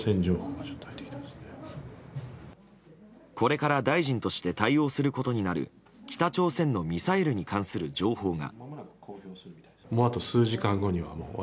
これから大臣として対応することになる北朝鮮のミサイルに関する情報が。